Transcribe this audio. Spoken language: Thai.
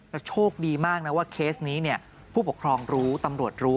แล้วโชคดีมากนะว่าเคสนี้ผู้ปกครองรู้ตำรวจรู้